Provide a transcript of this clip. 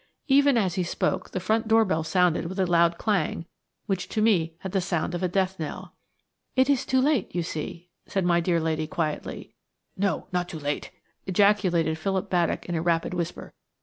Even as he spoke the front door bell sounded with a loud clang, which to me had the sound of a death knell. "It is too late, you see," said my dear lady, quietly. "No, not too late," ejaculated Philip Baddock, in a rapid whisper.